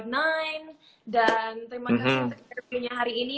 dan terima kasih untuk interviewnya hari ini